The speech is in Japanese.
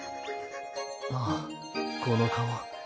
ああこの顔？